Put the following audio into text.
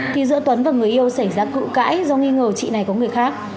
thì giữa tuấn và người yêu xảy ra cự cãi do nghi ngờ chị này có người khác